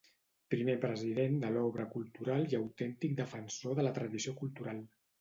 primer president de l'Obra Cultural i autèntic defensor de la tradició cultural